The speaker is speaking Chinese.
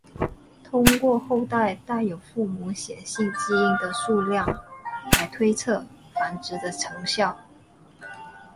通过后代带有父母显性基因的数量来推测繁殖的成效。